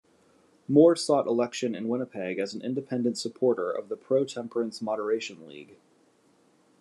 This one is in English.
Moore" sought election in Winnipeg as an independent supporter of the pro-temperance "Moderation League".